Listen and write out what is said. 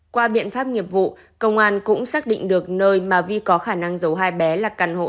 qua biện pháp nghiệp vụ công an cũng xác định được nơi mà vi có khả năng giấu hai bé là căn hộ